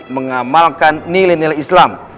mengamalkan nilai nilai islam